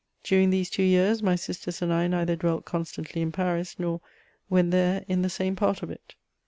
During these two years, my sisters and I neither dwelt constantly in Paris, nor, when there, in the same part of it.